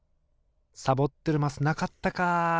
サボってるマスなかったか！